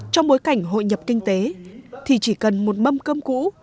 trong bối cảnh hội nhập kinh tế thì chỉ cần một mâm cơm cũ